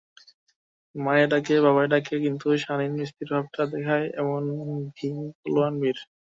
মায়ে ডাকে বাবায় ডাকে কিন্তু শানীন স্থিরভাবটা দেখায় এমনতর ভীম পালোয়ান বীর।